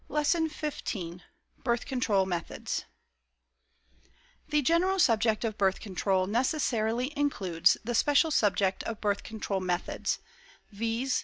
LESSON XV BIRTH CONTROL METHODS The general subject of Birth Control necessarily includes the special subject of Birth Control Methods, viz.